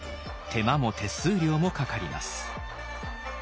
手間も手数料もかかります。